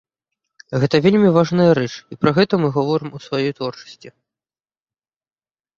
Гэта вельмі важная рэч, і пра гэта мы гаворым у сваёй творчасці.